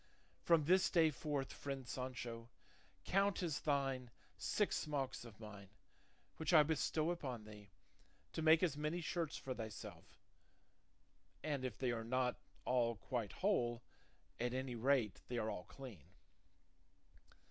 From this day forth, friend Sancho, count as thine six smocks of mine which I bestow upon thee, to make as many shirts for thyself, and if they are not all quite whole, at any rate they are all clean."